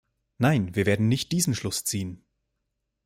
Nein, wir werden nicht diesen Schluss ziehen.